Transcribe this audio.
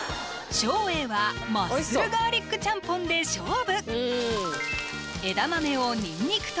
照英はマッスルガーリックちゃんぽんで勝負！